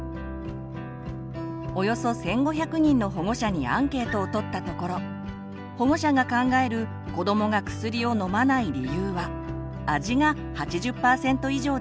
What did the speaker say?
およそ１，５００人の保護者にアンケートを取ったところ保護者が考える子どもが薬を飲まない理由は「味」が８０％以上でした。